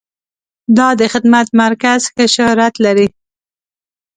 دا د خدمت مرکز ښه شهرت لري.